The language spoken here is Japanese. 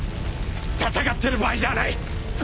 戦ってる場合じゃない。